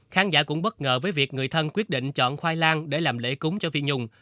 khán giả cũng bất ngờ với việc người thân quyết định chọn khoai lang để làm lễ cúng cho phi nhung